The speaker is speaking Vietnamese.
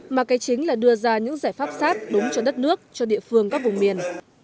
mà cái chính là đưa ra những giải pháp sát đúng cho đất nước cho địa phương các vùng miền